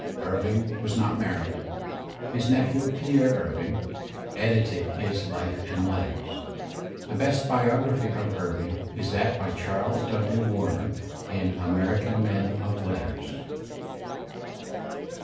Irving was not married. His nephew Pierre Irving, edited his "Life and Letters." The best biography of Irving is that by Charles Dudley Warner in American Men of Letters.